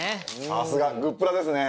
さすがグップラですね。